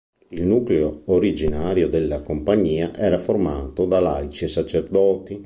Il nucleo originario della Compagnia era formato da laici e sacerdoti.